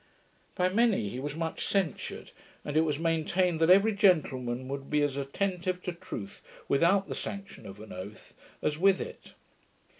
By many he was much censured and it was maintained that every gentleman would be as attentive to truth without the sanction of an oath, as with it.